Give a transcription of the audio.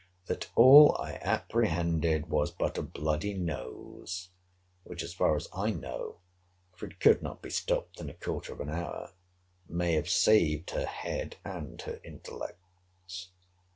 ] that all I apprehended was but a bloody nose, which, as far as I know (for it could not be stopped in a quarter of an hour) may have saved her head and her intellects.